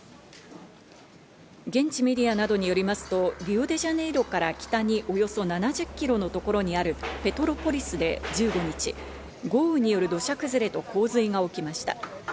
現地メディアなどによりますと、リオデジャネイロから北におよそ７０キロのところにあるペトロポリスで１５日、豪雨による土砂崩れと洪水が起きました。